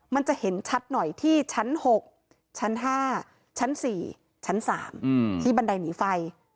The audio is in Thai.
มันจะเห็นชัดหน่อยที่ชั้น๖ชั้น๕ชั้น๔ชั้น๓ที่บันไดหนีไฟ